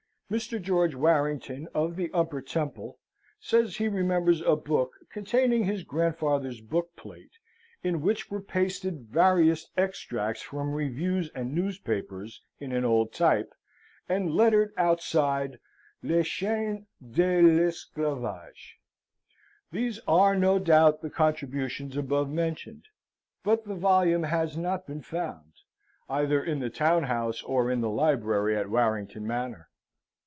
[Mr. George Warrington, of the Upper Temple, says he remembers a book, containing his grandfather's book plate, in which were pasted various extracts from reviews and newspapers in an old type, and lettered outside Les Chains de l'Esclavage. These were no doubt the contributions above mentioned; but the volume has not been found, either in the town house or in the library at Warrington Manor.